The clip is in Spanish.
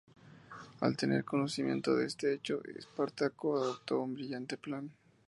Al tener conocimiento de este hecho, Espartaco adoptó un brillante plan.